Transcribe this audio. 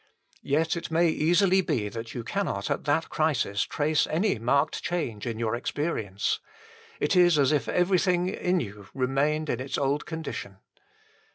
Yet it may easily be that you cannot at that crisis trace any marked change in your experience. It is as if everything in you remained in its old condition.